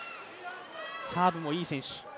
サーブもいい選手。